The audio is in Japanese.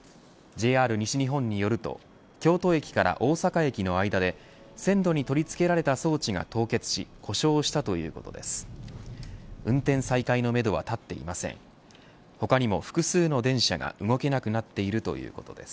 ＪＲ西日本によると京都駅から大阪駅の間で線路に取り付けられた装置が凍結し故障したということです。